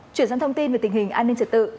chuyển sang thông tin về tình hình an ninh trật tự